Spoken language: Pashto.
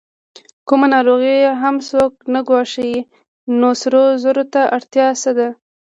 کومه ناروغي هم څوک نه ګواښي، نو سرو زرو ته اړتیا څه ده؟